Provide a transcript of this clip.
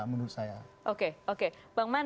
menurut saya oke oke bang man